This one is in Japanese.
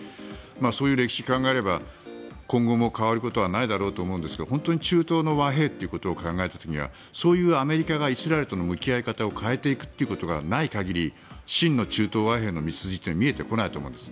そういう歴史を考えれば今後も変わることはないだろうと思うんですが本当に中東の和平を考えた時にはそういうアメリカがイスラエルとの向き合い方を変えていくということがない限り真の中東和平の道筋は見えてこないと思うんです。